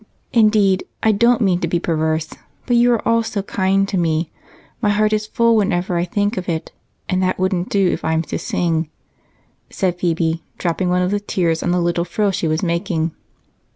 Indeed, I don't mean to be perverse, but you are all so kind to me, my heart is full whenever I think of it, and that wouldn't do if I'm to sing," said Phebe, dropping one of the tears on the little frill she was making.